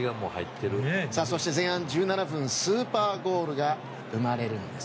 前半１７分、スーパーゴールが生まれるんです。